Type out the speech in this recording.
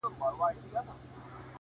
پرون مُلا وو کتاب پرانیستی!.